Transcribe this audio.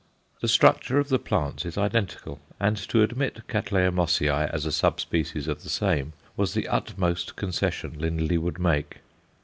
The structure of the plants is identical, and to admit C. Mossiæ as a sub species of the same was the utmost concession Lindley would make.